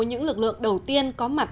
những lực lượng đầu tiên có mặt